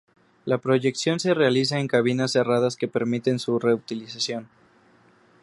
La proyección se realiza en cabinas cerradas que permiten su reutilización.